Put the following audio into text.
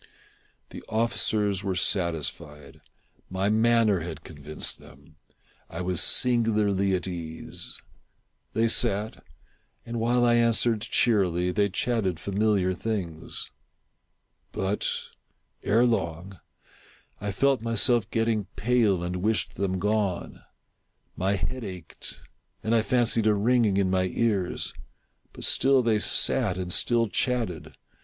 The officers were satisfied. My manner had convinced them. I was singularly at ease. They sat, and while I answered cheerily, they chatted familiar things. But, ere long, I felt myself getting pale and wished them gone. My head ached, and I fancied a ringing in my ears : but still they sat and still chatted.